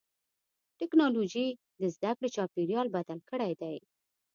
ټکنالوجي د زدهکړې چاپېریال بدل کړی دی.